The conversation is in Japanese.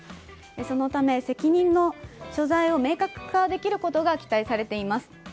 そのため、責任の所在を明確化できることが期待されています。